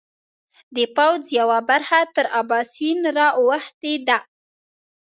د پوځ یوه برخه تر اباسین را اوښتې ده.